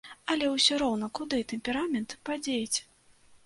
Але ўсё роўна куды тэмперамент падзець?